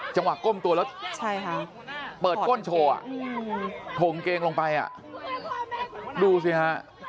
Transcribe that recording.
จังหวะก้มตัวละเปิดก้นโชว์อ่ะถงเกงลงไปอ่ะดูซิค่ะ